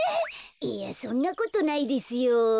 いやそんなことないですよ。